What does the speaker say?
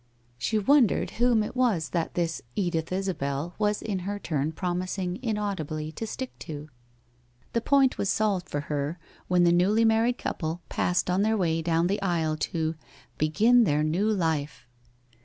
She wondered whom it was that this Edith Isabel was in her turn promising inaudibly to stick to. The point was solved for her when the newly married cou ple passed on their way down the aisle to 'begin their new life.'